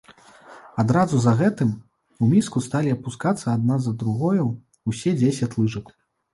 Адразу за гэтым у міску сталі апускацца адна за другою ўсе дзесяць лыжак.